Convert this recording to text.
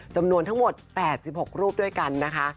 จำนวนทั้งหมด๘๖รูปด้วยกันนะคะ